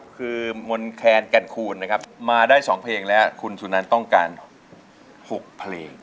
คือมนแคนแก่นคูณนะครับมาได้๒เพลงแล้วคุณสุนันต้องการ๖เพลง